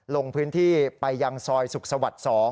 ลงพื้นที่ไปยังซอยสุขสวรรค์๒